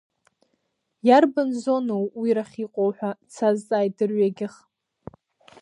Иарбан зоноу уирахь иҟоу ҳәа, дсазҵааит дырҩегьых.